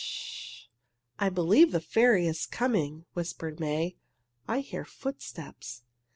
I believe the fairy is coming," whispered May. "I hear footsteps!"